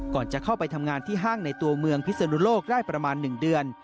จะเข้าไปทำงานที่ห้างในตัวเมืองพิศนุโลกได้ประมาณ๑เดือน